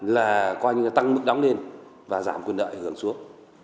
là coi như là tăng mức đóng lên và giảm quyền lợi hưởng xuống